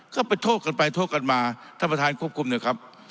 ก็ไปโทษกันไปโทษกันมาท่านประธานควบคุมเถอะครับ